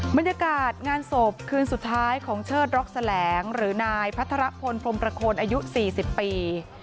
บรรยากาศงานศพคืนสุดท้ายของเชิดร็อกแสลงหรือนายพัทรพลพรมประโคนอายุ๔๐ปี